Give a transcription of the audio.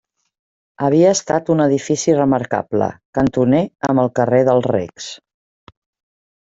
Havia estat un edifici remarcable, cantoner amb el carrer dels Recs.